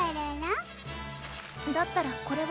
だったらこれは？